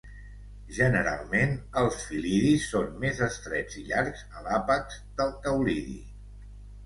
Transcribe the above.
Generalment els fil·lidis són més estrets i llargs a l'àpex del caulidi.